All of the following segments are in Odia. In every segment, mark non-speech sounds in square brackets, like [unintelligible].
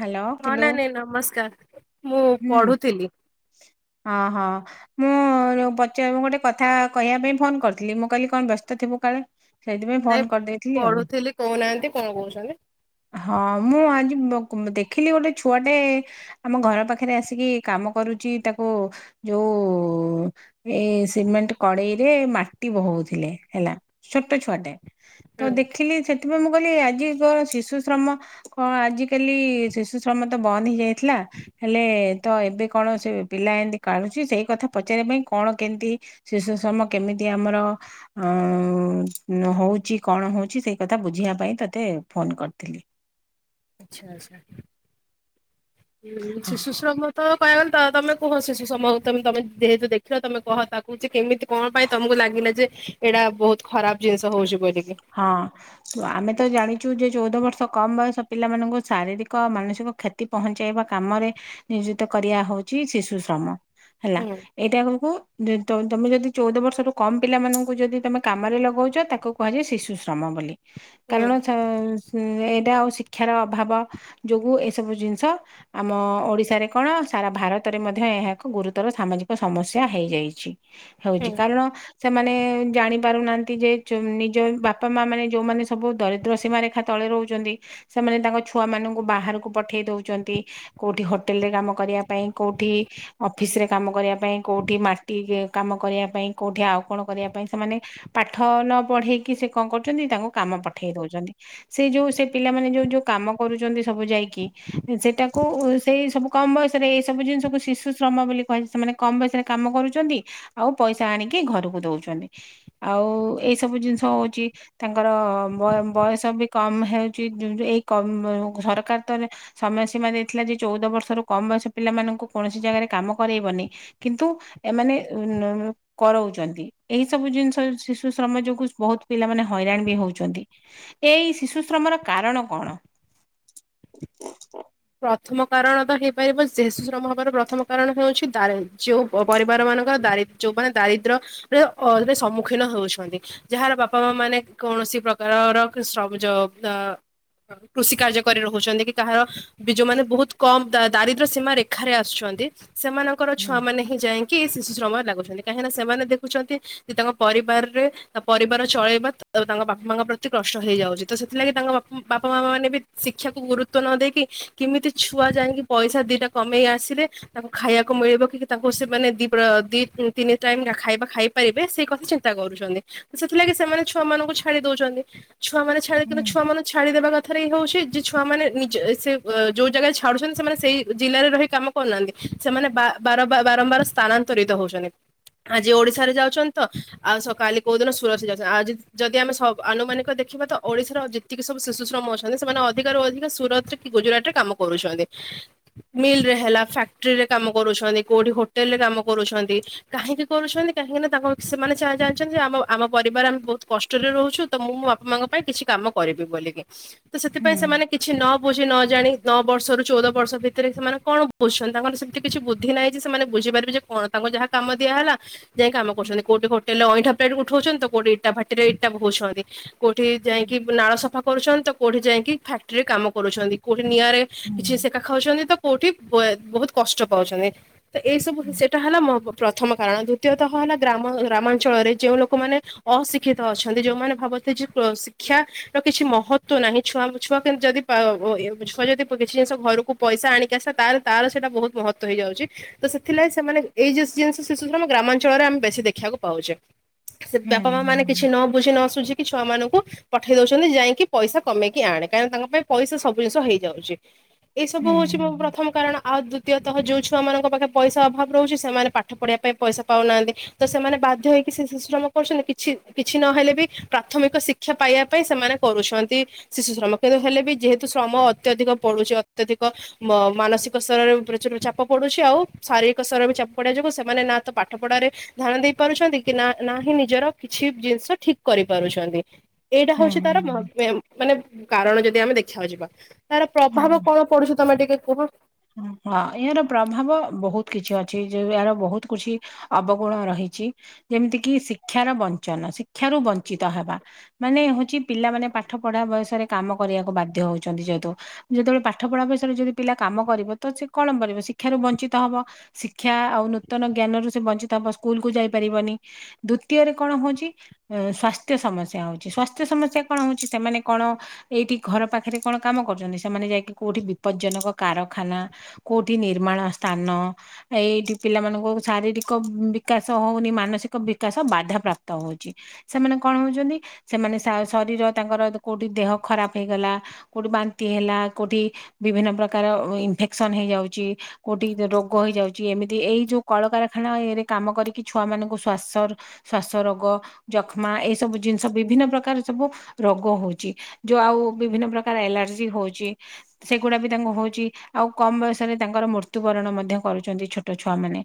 ହ୍ୟାଲୋ ହଁ ହ୍ୟାଲୋ ନାନୀ ନମସ୍କାର। ମୁଁ ହୁଁ ପଢୁଥିଲି ହଁ ହଁ। ମୁଁ ଉଁ ପଚ ଗୋଟେ କଥା କହିବା ପାଇଁ ଫୋନ କରିଥିଲି ମୁଁ କହିଲି କଣ ବ୍ୟସ୍ତ ଥିବୁ କାଳେ। ସେଇଥିପାଇଁ ନାଇଁ ଫୋନ କରିଦେଇଥିଲି ଆଉ ପଢୁଥିଲି କହୁନାହାନ୍ତି କଣ କହୁଛନ୍ତି ହଁ ମୁଁ ଆଜି ଦେଖିଲି ଗୋଟେ ଛୁଆଟେ ଆମ ଘର ପାଖ ପାଖରେ ଆସିକି କାମ କରୁଛି ତାକୁ ଯୋଉ ଏ ସିମେଣ୍ଟ କଡ଼େଇ ଯେ ମାଟି ବହଉଥିଲେ ହେଲା ଛୋଟ ଛୁଆଟେ ତ ହୁଁ। ଦେଖିଲି ସେ ସେଥିପାଇଁ ମୁଁ କହିଲି ଆଜି କଣ ଶିଶୁ ଶ୍ରମ କଣ ଆଜି କାଲି ଶିଶୁ ଶ୍ରମ ତ ବନ୍ଦ ହେଇଯାଇ ହେଲେ ତ ଏବେ କଣ ସେ ପିଲା ଏମିତି କାଢୁଛି ସେଇ କଥା ପଚାରିବା ପାଇଁ କଣ କେମିତି ଶିଶୁ ସମ କେମିତି ଆମର ଅଁ ହଉଛି କଣ ହଉଛି ସେଇ କଥା ବୁଝିବା ପାଇଁ ତତେ ଫୋନ କରିଥିଲି । ଆଚ୍ଛା ଆଛା ହଁ ଶିଶୁ ଶମ ତ ପାୟଲ ତମେ କୁହ ଶିଶୁ ସମୟ ତମେ ତମେ ଯେହେତୁ ଦେଖିଲ ତମେ କହ ତାକୁ ସେ କେମିତି କଣ ପାଇଁ ତମକୁ ଲାଗିବ ନେ ଯେ ଏଡା ବହୁତ ଖରାପ ଜିନିଷ ହଉଛି ବୋଲି । ହଁ ଆମେ ତ ଜାଣିଛୁ ଯେ ଚଉଦ ବର୍ଷ କମ୍ ବୟସ ପିଲାମାନଙ୍କୁ ଶାରୀରିକ ଆଉ ମାନସିକ କ୍ଷତି ପହଞ୍ଚାଇବା କାମରେ ନିୟୋଜିତ କରିବା ହଉ ହଉଛି ଶିଶୁ ଶ୍ରମ ହେଲା ହୁଁ ଏଇଟା ଆମକୁ ତ ତମେ ଯଦି ଚଉଦ ବର୍ଷରୁୁ କମ୍ ପିଲାମାନଙ୍କୁ ଯଦି ତମେ କାମରେ ଲଗଉଛ ତାକୁ କୁହାଯାଏ ଶିଶୁ ଶ୍ରମ ବୋଲି ହୁଁ କାରଣ ଥ ସ ଏଇଟା ହଉଛି ଶିକ୍ଷାର ଅଭାବ ଯୋଗୁଁ ଏସବୁ ଜିନିଷ ଆମ ଓଡ଼ିଶାରେ କଣ ସାରା ଭାରତରେ ମଧ୍ୟ ମଧ୍ୟ ଏହା ଏକ ଗୁରୁତର ସାମାଜିକ ସମସ୍ୟା ହେଇଯାଇଛି । ହଉଛି ହୁଁ। କାରଣ ସେମାନେ ଜାଣି ପାରୁନାହାନ୍ତି ଯେ ଚୁ ଯେଉଁ ବାପାମାଆ ମାନେ ଯୋଉଁମାନେ ସବୁ ଦରିଦ୍ର ସୀମାରେଖା ତଳେ ରହୁଛନ୍ତି ସେମାନେ ତାଙ୍କ ଛୁଆ ମାନଙ୍କୁ ବାହା ରକୁ ପଠେଇ ଦଉଛନ୍ତି କୋଉଠି ହୋଟେଲରେ କାମ କରିବା ପାଇଁ, କୋଉଠି ଅଫିସରେ କାମ କରିବା ପାଇଁ। କୋଉଠି ମାଟି କାମ କରିବା ପାଇଁ, କୋଉଠି ଆଉ କଣ କରିବା ପାଇଁ ସେମାନେ ପାଠ ନ ପଢେଇ କି ସେ କଣ କରୁଛନ୍ତି ତାଙ୍କୁ କାମ ପଠେଇ ଦଉଛନ୍ତି ସେ ଯୋଉ ସେ ପିଲାମାନେ ଯୋଉ ଯୋଉ କାମ କରୁଛନ୍ତି ସବୁ ଯାଇ କି ସେଟାକୁ ସେଇ ସବୁ କମ୍ ବୟସରେ ଏଇ ସବୁ ଜିନିଷକୁ ଶିଶୁ ଶ୍ରମ ବୋଲି କୁହାଯାଏ ସେମାନେ କମ୍ ସେଠାରେ କାମ କରୁଛନ୍ତି ଆଉ ପଇସା ଆଣିକି ଘରକୁ ଦଉଛନ୍ତି ଆଉ ଏସବୁ ଜିନିଷ ହଉଛି ତାଙ୍କର ବୟ ବୟସ ବି କମ୍ ହେଉଛି ଏଇ କମ୍ ସରକାର ତରେ ସମୟ ସୀମା ଦେଇଥିଲା ଯେ ଚଉଦ ବର୍ଷରୁ କମ୍ ବୟସ ପିଲାମାନଙ୍କୁ କୌଣସି ଜାଗାରେ କାମ କରେଇବନି। କିନ୍ତୁ ଏମାନେ ଉ ନ କରଉଛନ୍ତି ଏହି ସବୁ ଜିନିଷ ଶିଶୁ ଶ୍ରମ ଯୋଗୁ ବହୁତ ପିଲାମାନେ ହଇରାଣ ବି ହଉଛନ୍ତି ଏଇ ଶିଶୁ ଶ୍ରମର କାରଣ କଣ? [inaudible] ପ୍ରଥମ କାରଣ ତ ହେଇପାରିବ ଶିଶୁ ଶ୍ରମ ହବାର ପ୍ରଥମ କାରଣ ହେଉଛି ଦାର ଯେଉଁ ପରିବାର ମାନ ଙ୍କର ଦାରି ଯଉ ମାନେ ଦାରିଦ୍ର୍ୟରେ ଅଲୱେ ସମ୍ମୁଖୀନ ହଉଛନ୍ତି ଯାହାର ବାପାମାଆ ମାନେ କଣ? କୌଣସି ପ୍ରକାରର ସ ବ ଯ ଅ କୃଷି କାର୍ଯ୍ୟ କରି ରହୁଛନ୍ତି କି କାହାର ବି ଯୋଉମାନେ ବହୁତ କମ୍ ଦାରିଦ୍ର୍ୟ ସୀମାରେଖାରେ ଆସୁଛନ୍ତି ସେମାନଙ୍କର ହୁଁ ଛୁଆ ମାନେ ହିଁ ଯାଇ କି ଶିଶୁ ଶ୍ରମରେ ଲାଗୁଛନ୍ତି କାହିଁକିନା ସେମାନେ ଦେଖୁଛନ୍ତି ତାଙ୍କ ପରିବାରରେ ତା ପରିବାର ଚଳେଇବା ଆଉ ତାଙ୍କ ବାପାମାଆଙ୍କ ପ୍ରତି କଷ୍ଟ ହେଇଯାଉଛି ତ ସେଥିଲାଗି ତାଙ୍କ ବାପାମାଆ ମାନେ ବି ଶିକ୍ଷାକୁ ଗୁରୁତ୍ଵ ନ କିମିତି ଛୁଆ ଯାଇକି ପଇସା ଦିଟା କମେଇ ଆସିଲେ ତାଙ୍କୁ ଖାଇବାକୁ ମିଳିବ କି ତାଙ୍କୁ ସେମାନେ ଦି ପ୍ର ଦି ତିନି ଟାଇମ୍ ଖାଇବା ଖାଇ ପାରିବେ ସେଇ କଥା ଚିନ୍ତା କରୁଛନ୍ତି ସେଥିଲାଗି ସେମାନେ ଛୁଆମାନଙ୍କୁ ଛାଡି ଦଉଛନ୍ତି ଛୁଆମାନେ ଛାଡ଼ି ହୁଁ କିନ୍ତୁ ଛୁଆମାନ ଛାଡିଦବା କଥାରେ ଇ ହଉଛି ଯେ ଛୁଆ ମାନ ନିଜ ସେ ଯୋଉ ଜାଗାରେ ଛାଡୁଛନ୍ତି ସେମାନେ ସେଇ ଜିଲ୍ଲାରେ ରହି କାମ କରୁନାହାନ୍ତି ସେମାନେ ବା ବାର ବାରମ୍ବାର ସ୍ଥାନାନ୍ତ ତରିତ ହଉଛନ୍ତି। ଆଜି ଓଡିଶାରେ ଯାଉଛନ୍ତି ତ ଆଉ ସ କାଲି କୋଉ ଦିନ ସୁର ଯାଉଛନ୍ତି ଆଜି ଯଦି ଆମେ ସ ଆନୁମାନିକ ଦେଖ ଦେଖିବା ତ ଓଡିଶାର ଯେତିକି ସବୁ ଶିଶୁ ଶ୍ରମ ଅଛନ୍ତି ସେମାନେ ଅଧିକ ରୁ ଅଧିକ ସୁରତରେ ଗୁଜୁରାଟ ରେ କାମ କରୁଛନ୍ତି ମିଲରେ ହେଲା ଫ୍ୟାକ୍ଟ୍ରି ରେ କାମ କରୁଛନ୍ତି କୋଉଠି ହୋଟେଲ ରେ କାମ କରୁ ଜାଣିଛନ୍ତି ଆମ ଆମ ପରିବାର ଆମେ ବହୁତ କଷ୍ଟରେ ରହୁଛୁ ତ ମୁଁ ମୋ ବାପା ମାଙ୍କ ପାଇଁ କିଛି କାମ କରିବି ବୋଲିକି। ତ ହୁଁ ସେଥିପାଇଁ ସେମାନେ କିଛି ନ ବୁଝି ନ ଜାଣି ନଅ ବର୍ଷ ରୁ ଚଉଦ ବର୍ଷ ଭିତରେ ସେମାନେ କଣ ବୁଝୁଛନ୍ତି ତାଙ୍କର ସେମିତି କିଛି ବୁଦ୍ଧି ନାହିଁ ଯେ ସେମାନେ ବୁଝ ବୁଝିପାରିବି ଯେ କଣ ତାଙ୍କୁ ଯାହା କାମ ଦିଆହେଲା ଯାଇଁ କାମ କରୁଛନ୍ତି କୋଉଠି ହୋଟେଲରେ ଅଇଁଠା ଉଠଉଛନ୍ତି ତ କୋଉଠି ଇଟା ଭାଟିରେ ଇଟା ବହୁଛନ୍ତି। କୋଉଠି ହୁଁ ଯାଇକି ନାଳ ସଫା କରୁଛନ୍ତି ତ କୋଉଠି ଯାଇକି ଫାକ୍ଟ୍ରିରେ କାମ କରୁଛନ୍ତି କୋ ନିଆଁରେ ହୁଁ କିଛି ସେକା ଖାଉଛନ୍ତି ତ କୋଉଠି ବହୁତ କଷ୍ଟ ପାଉଛନ୍ତି। ତ ଏଇ ସବୁ ହୁଁ ହୁଁ ସେଟା ହେଲା ମୋ ହବ ପ୍ରଥମ କାରଣ ଦ୍ଵିତୀୟତଃ ହେଲା ଗ୍ରାମ ଗ୍ରାମାଞ୍ଚଳରେ ଯେଉଁ ଲୋକମାନେ ଅଶିକ୍ଷିତ ଅଛନ୍ତି ଯେଉମାନେ ଭାବ ବନ୍ତି ଜେ ଶିକ୍ଷା ର କିଛି ମହତ୍ଵ ନାହିଁ ଛୁଆଙ୍କୁ ଛୁଆ କେମିତି ଯଦି [unintelligible] ଛୁଆ ଯଦି କିଛି ଜିନିଷ ଘରକୁ ପଇସା ଆଣିକି ଆସ ତାହଲେ ତାର ସେଇଟା ବହୁତ ମହତ୍ଵ ହେଇଯାଉଛି। ସେଥିଲାଗ ସେମାନେ ଏଇ ଜଉ [unintelligible] ଶିଶୁ ଗ୍ରାମ ଗ୍ରା ସେ ହୁଁ ବାପା ମା ମାନେ କିଛି ନ ବୁଝି ନ ସୁୁଝି କିଛି ଛୁଆ ମାନଙ୍କୁ ପଠେଇ ଦଉଛନ୍ତି ଯାଇକି ପଇସା କମେଇକି ଆଣେ କାହିକିଁ ନା ତାଙ୍କ ପାଇଁ ପଇସା ସବୁ ଜିନିଷ ହେଇଯାଉଛି ଏଇ ସବୁ ହୁଁ ହୁଁ ହଉଛି ମୋ ପ୍ରଥମ କାରଣ। ଆଉ ଦ୍ଵିତୀୟତଃ ଯୋଉ ଛୁଆ ମାନଙ୍କ ପାଖେ ପଇସା ଅଭାବ ରହୁଛି ସେମାନେ ପାଠ ପଢିବା ପାଇଁ ପଇସା ପାଉନାହାନ୍ତି ତ ସେମାନେ ବାଧ୍ୟ ହେଇକି୍ରମ କରୁଛନ୍ତି କିଛି କିଛି ନହେଲେ ବି ପ୍ରାଥମିକ ଶିକ୍ଷା ପାଇବା ପାଇଁ ସେମାନେ କରୁଛନ୍ତି। ଶିଶୁ ଶମକ୍ଷ ହେଲେ ବି ଯେହେତୁ ଶ୍ରମ ଅତ୍ୟଧିକ ପଡୁଛି ଅତ୍ୟଧିକ ମାନସିକ ସ୍ତରରେ ଚାପ ପଡୁଛି ଆଉ ଶାରୀରିକ ସ୍ତର ବି ଚାପ ପଡିବା ଯୋଗୁଁ ସେମାନେ ନା ତ ପାଠ ପଢାରେ ଧ୍ୟାନ ଦେଇ ପାରୁଛନ୍ତି କି ନା ନାହିିଁ ନିଜର କିଛି ଜିନିଷ ଠିକ କରିପାରୁଛନ୍ତି। ଏଇଟା ହୁଁ ହୁଁ ହଉଛି ତାର ମାନେ କାରଣ ଯଦି ଆମେ ଦେଖବା ଯିବା। ତାର ହୁଁ ହଁ ପ୍ରଭାବ କଣ ପଡୁଛ ତମେ ଟିକେ କୁହ। ହଁ ଏହାର ପ୍ରଭାବ ବହୁତ କିଛି ଅଛି ଯଉ ଏହାର ବହୁତ କିଛି ଅବଗୁଣ ରହିଛି। ଯେମିତି କି ଶିକ୍ଷାର ବଞ୍ଚନ ଶିକ୍ଷାରୁ ବଞ୍ଚିତ ହେବା ମାନେ ହଉଛି ପିଲାମାନେ। ପାଠ ପଢା ବୟସରେ କାମ କରିବାକୁ ବାଧ୍ୟ ହଉଛନ୍ତି ଯେହେତୁ ଯେତେବେଳେ ପାଠ ପଢା ବୟସରେ ଯଦି ପିଲା କାମ କ- କରିବ ଶିକ୍ଷା ରୁ ବଞ୍ଚିତ ହବ ଶିକ୍ଷା ଆଉ ନୂତନ ଜ୍ଞାନ ରୁ ବଞ୍ଚିତ ହବ ସ୍କୁଲ୍ ଯଇପାରିବନି ଦିତୀୟରେ କଣ ହଉଛି ସସ୍ଥ୍ୟ ସମସ ହଉଛିାଥ୍ୟ ସମ୍ୟା କଣ ସେମାନେ କଣ ଏଇଠି ଘର ପାଖରେ କଣ କାମ କରୁଛନ୍ତି ସେମାନେ ଯାଇକି କୋଉଠି ବିପଜଜନକ କାର ାନା କୋଉଠି ନିର୍ମାଣ ସ୍ଥାନ ଏଇଠି ପିଲାମାନଙ୍କ ଶାରୀରିକ ବିକାଶ। ହଉନି ମାନସିକ ବିକାଶ ବାଧା ପ୍ରାପ୍ତ ହଉଛି ସେମାନେ କଣ ହଉଛନ୍ତି ସେମାନେ ଶରୀର ତାଙ୍କର କୋଉଠି ଦେହ ଖରାପ ହେଇଗଲା କୋଉଠି ବାନ୍ତି ହେଲା କୋଉଠି ବିଭିନ୍ନ ପ୍ରକାର ଇନଫେକ୍ସନ୍ ହେଇଯାଉଛି କଉଠି ରୋଗ ହେଇଯାଉଛି ଏମିତି ଏଇ ଯୋଉ କଳକାରଖାନା ରେ କାମ କରି ଛୁଆ ମାନଙ୍କୁ ଶାସ ଶଵାସ ରୋଗ ଯକ୍ଷ୍ମା ଏ ସବୁ। ଜିନିଷ ବିଭିନ୍ନ ପ୍ରକାର ସବୁ ରୋଗ ହଉଛି ଯୋଉ ଆଉ ବିଭିନ୍ନ ପ୍ରକାର ଏଲାର୍ଜି ହଉଛି ସେଗୁଡ଼ା ବି ତାଙ୍କୁ ହଉଛି। ଆଉ କମ୍ ବୟସରେ ତାଙ୍କର ମୃତ୍ୟୁବରଣ ମଧ୍ୟ କରୁଛନ୍ତି ଛୋଟ ଛୁଆ ମାନେ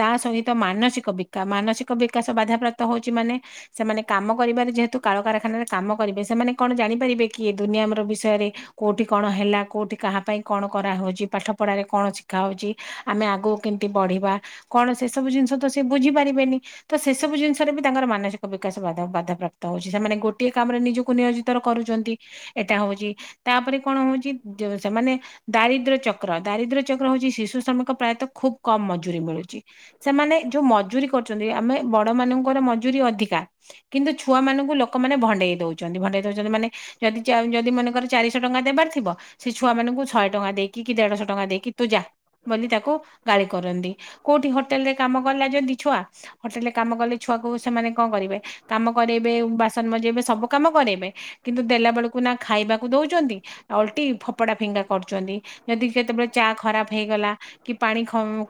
ତା ସହିତ ମାନ ମାନସିକ ବିକା ମାନସିକ ବିକାଶ ବାଧାପ୍ରାପ୍ତ ହଉଛି ମାନେ ସେମାନେ କାମ କରିବାରେ ଯେହେତୁ କଳକାରଖାନାରେ। କାମ କରିବେ ସେମାନେ କଣ ଜାଣିପାରିବେ କି ଦୁନିଆ ବିଷୟରେ କୋଉଠି କଣ ହେଲା କୋଉଠି କାହା ପାଇଁ। କଣ କରାହଉଛି ପାଠ ପଢାରେ କଣ ଶିଖା ହଉଛି ଆମେ ଆଗକୁ କେମତି ବଢ଼ିବା କଣ ସେ ସବୁ ଜିନିଷ ବୁଝି ପାରିବେନି ତ ସେ ସବୁ ଜିନିଷରେ ବି ତାଙ୍କର ମାନସିକ ବିକାଶ ବାଧାପ୍ରାପ୍ତ ହଉଛି ସେମାନେ ଗୋଟିଏ କାମରେ ନିଜକୁ ନିୟୋଜିତ କରୁଛନ୍ତି ଏଇଟା ହଉଛି ତାପରେ କଣ ହଉଛି ସେମାନେ ଦାରିଦ୍ର୍ୟ ଚକ୍ର ଦାରିଦ୍ୟ ଚକ୍ର ହଉଛି ଶିଶୁ ଶ୍ରମିଙ୍କ ପ୍ରାୟତଃ ଖୁବ କମ୍ ମଜୁୁରୀ ମିଳୁଛି। ସେମାନେ ଯୋଉ ମଜୁରୀ ଆମେ ବଡ ମଙ୍କର ମଜୁରୀ ଅଧିକା କିନ୍ତୁ ଛୁଆ ମଙ୍କୁ ଲୋକମାନେ ଭଣ୍ଡେଇ ଦଉଛନ୍ତି। । ଛନ୍ତି ମାନେ ଯଦି ଯଦି ମନେକର ଚାରିଶହ ଟଙ୍କା ଦେବାର ଥିବ ସେ ଛଆ ମଙ୍କୁ ଶହେ ଟଙ୍କା ଦେଇକ କି ଦେଢ଼ଶହ ଟଙ୍କା ଦେଇକ କି ତୁ ଯା। ବୋଲି ତାକୁ ଗାଳି କରନ୍ତି କୋଉଠି ହୋଟେଲ ରେ କାମ କଲା ଯତି ଛୁଆ ହୋଟେଲରେ କାମ କଲେଛୁ କୁ ସେମାନେ କଣ କରିବେ କାମ କରରୋଇବେ ବାସନ ମଜେଇବେ ସବୁ କାମ କରାଇବେ କିନ୍ତୁ ଦେଲା ବେଳକୁ ନା ଖାଇବାକୁ ଦଉଛନ୍ତି ଆଉ ଅଲଟି ଫପଡ଼ା ଫିଙ୍ଗା। କରୁଛନ୍ତି ଯଦି କେତେବେଳେ ଚା ଖରାପ ହେଇଗଲା କି ପାଣି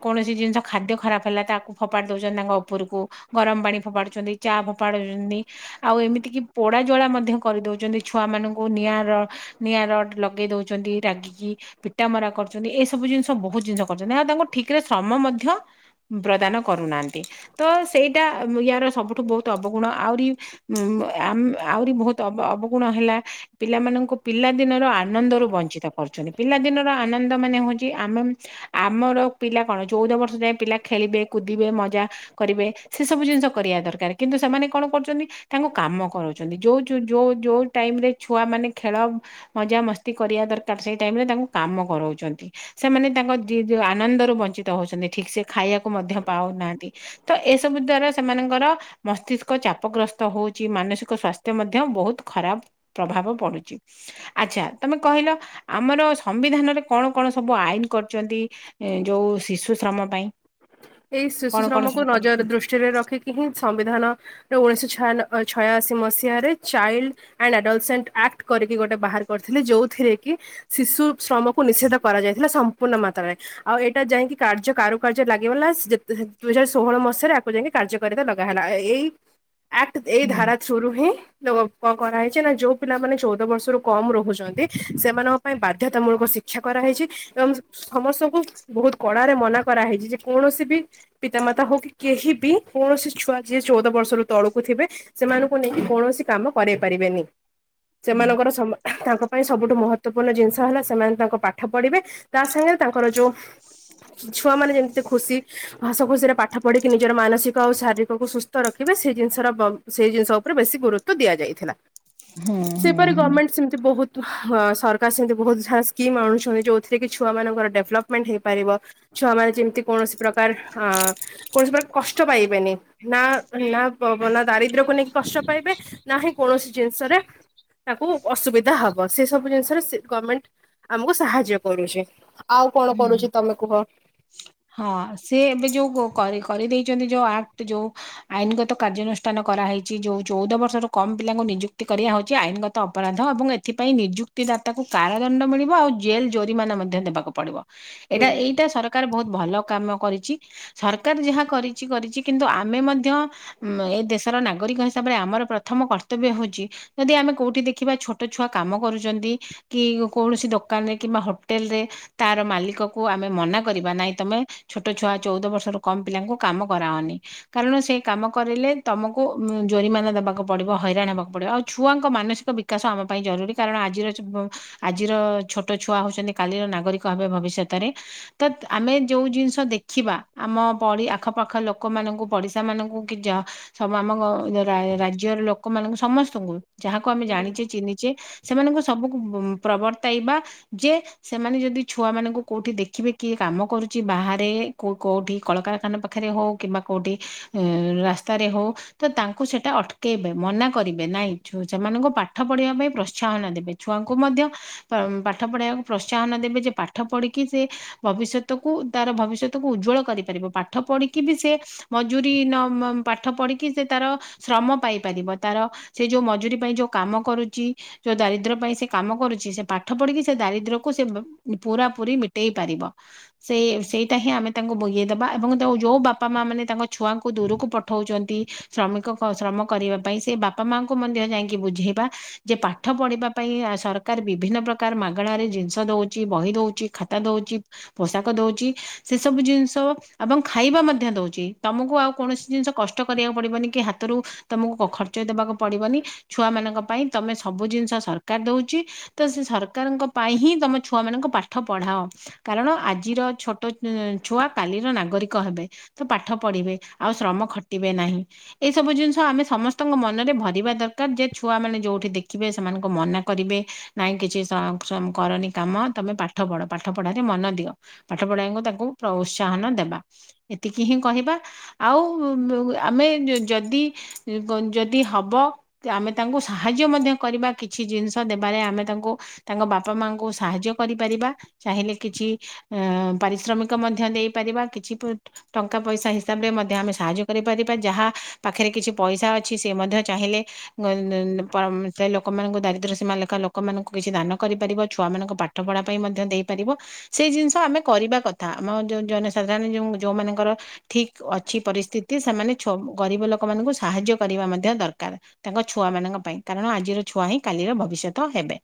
କୌଣସି ଜିନିଷ ଖାଦ୍ୟ ଖରାପ ହେଲା। ତାକୁ ଫୋପାଡ଼ି ଦଉଛନ୍ତି ତାଙ୍କ ଉପରକୁ ଗରମ ପାଣି ଫୋପାଡ଼ୁଛନ୍ତି ଚା ଫୋପାଡ଼ୁଛନ୍ତି ଆଉ ଏମିତି ପୋଡା ଜଳା ମଧ୍ୟ କରିଦଉଛନ୍ତି ଛୁଆ ମାନଙ୍କୁ ନିଆଁର ନିଆଁର ଲଗେଇ ଦଉଛନ୍ତି ରାଗି। ପିଟା ମରା କରୁଛନ୍ତି ଏସବୁ ଜିନିଷ ବହୁତ ଜିନିଷ କରୁଛନ୍ତିଉ ତାଙ୍କୁ ଠିକରେ ଶ୍ରମ ମଧ୍ୟ ପ୍ରଦାନ କରୁନାହାନ୍ତି ତ ସେଇଟା ୟାର ସବୁଠୁ ବହୁତ ଅବଗୁଣ ଆହୁରି ଉ ଆମ ଆହୁରି ବହୁତ ଅବଗୁଣ ହେଲା ପିଲାମାନଙ୍କୁ ପିଲା ଦିନର ଆନନ୍ଦରୁ ବଞ୍ଚିତ କରୁଛନ୍ତି। ପିଲାଦିନର ଆନନ୍ଦ ମାନେ ହଉଛି ଆମେ ଆମର ପିଲା କଣ ଚଉଦ ବର୍ଷ ଯାଏ ପିଲା ଖେଳିବେ କୁଦିବେ ମଜା କରିବେ ସେ ସବୁ ଜିନିଷ କରିବା ଦରକାର। କିନ୍ତୁ ସେମାନେ କଣ କରୁଛନ୍ତି ତାଙ୍କୁ କାମ କରାଉଛନ୍ତି ଯେଉଁ ଯେଉଁ ଯେଉଁ ଟାଇମରେ ଛୁଆମାନେ ଖେଳ ମଜା ମସ୍ତି କରିବା ଦରକାର ସେଇ। ତା କାମ କରାଉଛନ୍ତି ସେମାନେ ତାଙ୍କ ଆନନ୍ଦୁ ବଞ୍ଚିତ ହଉଛନ୍ତି ଠିକ୍ ସେ ଖାଇବାକୁ। ମଧ୍ୟ ପାଉନାହାନ୍ତି ତ ଏସବୁ ଦ୍ଵାରା ସେମାନଙ୍କର ମସ୍ତିଷ୍କ ଚାପ ଗ୍ରସ୍ତ ହଉଛି ମାନ ସସ୍ଥ୍ୟ ମଧ୍ୟ ବହୁତ ଖରାପ ପ୍ରଭାବ ପଡୁଛି ଆ୍ଛା ତମେ କହିଲ। ଆମର ସମ୍ବିଧାନରେ କଣ କଣ ସବୁ ଆଇନ କରିଛନ୍ତି ଯେଉଁ ଶିଶୁ ଶ୍ରମ ପାଇଁ। ଏଇ ଶିଶୁ କଣ କଣ ଶ୍ରମକୁ ସବୁ ନଜର କରୁଛନ୍ତି? ଦୃଷ୍ଟିରେ ରଖିକି ହିଁ ସମ୍ବିଧାନ। ଉଣେଇଶଛ ଛାୟାନ-ଛୟାଅଶୀ ମସିହାରେ ଚାଇଲ୍ଡ ଆଣ୍ଡ ଆଡଲସେଣ୍ଟ ଆକ୍ଟ କରିକି ଗୋଟେ ବାହାର କରିଥିଲେ। ଯୋଉଥିରେ କି ଶିଶୁ ଶ୍ରମକୁ ନିଷେଧ କରାଯାଇଥିଲା ସମ୍ପୂର୍ଣ୍ଣ ମାତ୍ରାରେ ଆଉ ଏଇଟା ଯାଇକି କାର୍ଯ୍ୟ କାରୁକାର୍ଯ୍ୟ ଲାଗ ଲାଗିଗଲା ଦୁଇ ହଜାର ଷୋହଳ ମସିହରେ ଆକୁ ଯାଇକି କାର୍ଯ୍ୟକାରିତା ଲଗା ହେଲା ଏଇ ଆକ୍ଟ ଏଇ ହୁଁ ହୁଁ ଧାରା ଥ୍ରୋ ହିଁ [unintelligible] କରା -କରାହେଇଛି ନା ଯୋଉ ପିଲାମାନୋନେ ଚଉଦ ବର୍ଷରୁ କମ ରହୁଛନ୍ତି ସେମାନଙ୍କ ପାଇଁ ବାଧ୍ୟତାମୂଳକ ଶି ଶିକ୍ଷା କରାହେଇଛି ଏବଂ ସମସ୍ତଙ୍କୁ ବହୁତ କଡାରେ ମନା କରାହେଇଛି ଯେ କୌଣସି ବି ପିତାମାତା ହଉ କି କେହି ବି କୌଣସି ଛୁଆ ଯିଏ ଚଉଦ ବର୍ଷରୁ ତଳୁକୁ ଥିବେ। ସେମାନଙ୍କୁ ନେଇକି କୌଣସି କାମ କରଇ ପାରିବେନି ହୁଁ। ସେମାନଙ୍କର ସମ ତାଙ୍କ ପାଇଁ ସବୁଠୁ ମହ ଗୁରୁତ୍ୱପୂର୍ଣ୍ଣ ଜିନିଷ ହେଲା ସେମାନେ ତାଙ୍କ ପାଠ ପଢିବେ ତା ସାଙ୍ଗରେ ତାଙ୍କର ଯୋଉ ଛୁଆମାନନେ ଯେମିତି ଖୁସି ହସ ଖୁସିରେ ପାଠ ପଢିକି ନିଜର ମାନସିକ ଆଉ ଶା ଶାରୀକକୁ ସୁସ୍ଥ ରଖିବେ ସେ ଜିନିଷର ବ ସେ ଜିନିଷ ଉପରେ ବ ଗୁରୁତ୍ବ ଦିଆଯାଇଥିଲା। ହୁଁ। ସେପରି ହୁଁ। ଗମେଣ୍ଟ ସେମିତି ବହୁତ ହଁ ସରକାର ସେମିତି ବହୁତ ସାରା ସ୍କିମ୍ ଆଣୁଛନ୍ତି ଯୋଉଥିରେ କି ଛୁଆ ମାନଙ୍କର ଡେଭଲପମେଣ୍ଟ ହେଇପାରିବ। ଛୁଆମାନେ ଯେମତି କୌଣସି ପ୍ରକାର ଅ କୌଣସି ପ୍ରକାର କଷ୍ଟ ପାଇବେନି ନା ନା ନା ଦାରିଦ୍ର୍ୟ କୁ ନେଇକି କଷ୍ଟ ପାଇବେ ନାହିଁ କୌଣସି ଜିନିଷରେ ତାକୁ ଅସୁବିଧା ହବ ସେ ସବୁ ଜିନିଷରେ ସେ ଗମେଣ୍ଟ ଆମକୁ ସାହାଯ୍ୟ କରୁଛି। ଆଉ କଣ ହୁଁ। କରୁଛି ତମେ କୁହ? ହଁ ସଏ ଏବେ ଯୋଉ କ-କରିଦେଇ [unintelligible] ଯୋଉ ଆକ୍ଟ ଯୋଉ ଆଇନଗତ କାର୍ଯ୍ୟାନୁଷ୍ଠାନ କରାହେଇଛି ଯୋଉ ଚଉଦ ବର୍ଷରୁ କମ ପିଲାଙ୍କୁ ନିଯୁକ୍ତି କରିବା ହେଉଛି ଆଇନଗତ ଅପରାଧ ଏବଂ ଏଥିପାଇଁ ନିଯୁକ୍ତି ଦାତାକୁ କାରଦଣ୍ଡ ମିଳିବ ଆଉ ଜେଲ୍ ଜୋରିମାନ ମ ମଧ୍ୟ ଦେବାକୁ ପଡିବ ହୁଁ ଏଇଟା ଏଇଟା ସରକାର ବହୁତ ଭଲ କାମ କରିଛି ସରକାର ଯାହା କରିଛି କରିଛି କିନ୍ତୁ ଆମେ ମଧ୍ୟ ଏଇ ଦେଶର ନାଗ ନାଗରିକ ହିସାବରେ ଆମର ପ୍ରଥମ କର୍ତ୍ତବ୍ୟ ହଉଛି ଯଦି ଆମେ କୋଉଠି ଦେଖିବା ଛୋଟ ଛୁଆ କାମ କରୁଛନ୍ତି। କି କୌଣସି ଦୋକାନରେ କିମ୍ବା ହୋଟେଲ ରେ ତାର ମାଲିକ କ ଆମେ ମନା କରିବା ନାହିଁ। ତମେ ଛୋଟ ଛୁଆ ଚଉଦ ବର୍ଷରୁ କମ ପିଲାଙ୍କୁ କାମ କରାଅନି କାରଣ ସେ କାମ କରିଲେ ତମକୁ କୁ ଜୋରିମାନା ଦେବାକୁ ପଡ଼ିବ ହଇରାଣ ହେବାକୁ ପଡ଼ିବ ଆଉ ଛୁଆଙ୍କ ମାନସିକ ବିକାଶ ଆମ ପାଇଁ ଜରୁରୀ କାରଣ ଆଜିର ଆଜିର ଛୋଟ ଛୁଆ ହଉଛନ୍ତି କାଲିର ନାଗରିକ ହେ ଭବିଷ୍ୟତରେ ତ ଆମେ ଯୋଉ ଜିନିଷ ଦେଖିବା ଆମ ପଡି ଆଖପାଖ ଲୋକମାନଙ୍କୁ ପଡିଶା ମାନଙ୍କୁ [unintelligible] ରା-ରାଜ୍ୟର ଲୋକ ଲୋକ ମଙ୍କୁ ସମସ୍ତଙ୍କୁ ଯାହାକୁ ଆମେ ଜାଣିଛେ ଚିହ୍ନିଛେ ସେମାନଙ୍କୁ ସବୁ ଉଁ ପ୍ରବର୍ତ୍ତାଇବା ଯେ ସେମାନେ ଯଦି ଛୁଆ ମାନଙ୍କୁ କୋଉଠି ଦେଖିବେ କିଏ କାମ କରୁ କି ବାହାରେ କୋ-କୋଉଠି କଳକାରଖାନା ପାଖରେ ହଉ କିମ୍ବା କୋଉଠି ଉଁ ରାସ୍ତାରେ ହଉ। ତ ତାଙ୍କୁ ସେଟା ଅଟକେଇବେ ମନା କରିବେ ନାଇଁ ସେମାନଙ୍କୁ ପାଠ ପଢିବା ପାଇଁ ପ୍ରୋତ୍ସାହନ ଦେବେ ଛୁଆ ଙ୍କୁ ମଧ୍ୟ ପା-ପାଠ ପଢେଇବାକୁ ପ୍ରୋତ୍ସାହନ ଦେବେ ଯେ ପାଠ ପଢିକି ସେ ଭବିଷ୍ୟତ କୁ ତାର ଭବିଷ୍ୟତକୁ ଉଜ୍ବଳ କରିପାରିବ ପାଠ ପଢିକି ବି ସେ ମଜୁରି ନ ନ ପାଠ ପ କି ସେ ତାର ଶ୍ରମ ପାଇପାରିବ ତାର ସେ ଯୋଉ ମଜୁରୀ ପାଇଁ ଯୋଉ କାମ କରୁଛି ଦା ପାଇଁ ସେ କାମ କରୁଛି ସେ ପାଠ ପଢିକି ସେ ଦାରିଦ୍ର୍ୟକୁ ସେ ବ ପୁରା ପୁରି ମିଟେଇ ପାରିବ। ସେ ସେଇଟା ହିଁ ଆମେ ତାଙ୍କୁ ବୁଝେଇଦବା ଏବଂ ତା ଯୋଉ ବାପା ମା ମାନେ ତାଙ୍କ ଛୁଆଙ୍କୁ ଦୂରକୁ ପଠାଉଛନ୍ତି। ଶ୍ରମିକ କ ଶ୍ରମ କରିବା ପାଇଁ ସେ ବାପା ମାଙ୍କୁ ମଧ୍ୟ ଯାଇକି ବୁଝେଇବା ଯେ ପାଠ ପଢିବା। ପାଇଁ ସରକାର ବିଭିନ୍ନ ପ୍ରକାର ମାଗଣାରେ ଜିନିଷ ଦଉଛି ବହି ଦଉଛି ଖାତା ଦଉଛି। ପୋଷାକ ଦଉଛି ସେ ସବୁ ଜିନିଷ ଏବଂ ଖାଇବା ମଧ୍ୟ ଦଉଛି ତମକୁ ଆଉ କୌଣସି ଜିନିଷ କଷ୍ଟ କରିବାକୁ ପଡିବନି କି ହାତରୁ ତମକୁ ଖ-ଖର୍ଚ୍ଚ ଦେବାକୁ ପଡିବନି ଛୁଆ ମାନଙ୍କ ପାଇଁ ତମେ ସବୁ ଜିନିଷ ସରକାର ଦଉଛି ତ ସେ ସରକାରଙ୍କ ପାଇଁ ହିଁ ତମେ ଛୁଆମାନଙ୍କୁ ପାଠ ପଢାଅ କାରଣ ଆଜିର ଛୋଟ ଆ ଛୁଆ କାଲିର ନାଗରିକ ହେବେ ତ ପାଠ ପଢିବେ ଆଉ ଶ୍ରମ ଖଟି ନାହିଁ ଏସବୁ ଜିନିଷ ଆମେ ସମସ୍ତଙ୍କ ମନରେ ଭରିବା ଦରକାର ଯେ ଛୁଆ ମାନେ ଯୋଉଠି ଦେଖିବେ ସେମାନଙ୍କୁ ମନା କରିବେ ନାହିଁ କିଛି ସ-ସ କରନି କାମ ତମେ ପାଠ ପଢ଼ ପାଠ ପଢ଼ାରେ ମନ ଦିଅ। ପାଠ ପଢାଙ୍କୁ ତାଙ୍କୁ ପ୍ରୋତ୍ସାହନ ଦେବା ଏତିକି ହିଁ କହିବା ଆଉ ଆମେ ଯଦି ଯଦି ହବ ଆମେ ତାଙ୍କୁ ସାହାଯ୍ୟ ମଧ୍ୟ କରିବା କିଛି କିଛି ଜିନିଷ ଦେବାରେ ଆମେ ତାଙ୍କୁ ତାଙ୍କ ବାପା ମାଆଙ୍କୁ ସାହାଯ୍ୟ କରିପାରିବା ଚାହିଁଲେ କିଛି ଉଁ-ଉଁ ପାରିଶ୍ରମିକ ମଧ୍ୟ ଦେଇପାରିବା କିଛି ପ ଟଙ୍କା ପଇସା ହିସାବରେ ମଧ୍ୟ ଆମେ ସାହାଯ୍ୟ କରିପାରି ଯାହା ପାଖରେ କିଛି ପଇସା ଅଛି ସେ ମଧ୍ୟ ଚାହିଁଲେ ସେ ଲୋକମାନଙ୍କୁ ଦା ଦାରିଦ୍ର୍ୟ ସୀମାଲେଖା ଲୋକମାନଙ୍କୁ କିଛି ଦାନ କରିପାରିବ ଛୁଆମାନଙ୍କ ପାଠ ପଢା ପାଇଁ ମଧ୍ୟ ଦେଇପାରିବ ସେ ଜିନିଷ୍ ତ ଆମେ କରିବା କଥା ଆମ ଯୋଉ ଜନସାଧାରଣ ଯୋ ଯୋଉ ମାନଙ୍କର ଠିକ୍ ଅଛି ପରିସ୍ଥିତି ସେମାନେ ଛୁଆ ଗରିବ ଲୋକମାନଙ୍କୁ ସାହାଯ୍ୟ କରିବା ମଧ୍ୟ ଦରକାର ତାଙ୍କ ଛୁଆମାନଙ୍କ ପାଇଁ କାରଣ ଆଜିର ଛୁଆ ହିଁ କାଲି ର ଭବିଷ୍ୟତ ହେବେ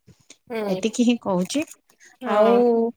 ହୁଁ। ଏତିକି ହିଁ କହୁଛି ହଁ ଆଉ